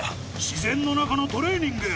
自然の中のトレーニング